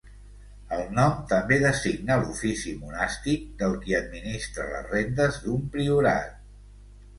El nom també designa l'ofici monàstic del qui administra les rendes d'un priorat.